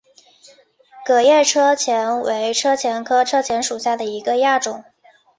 革叶车前为车前科车前属下的一个亚种。